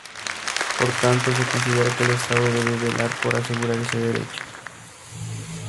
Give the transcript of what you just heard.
Por tanto se considera que el Estado debe velar por asegurar ese derecho.